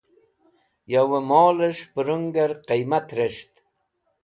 Yova molẽs̃h pẽrũngẽr qiymat res̃ht